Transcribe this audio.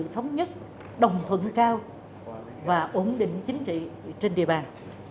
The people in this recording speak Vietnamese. tổng thống nhất đồng phận cao và ổn định chính trị trên địa bàn